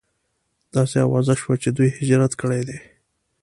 داسې اوازه شوه چې دوی هجرت کړی دی.